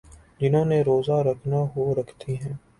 جنہوں نے روزہ رکھنا ہو رکھتے ہیں۔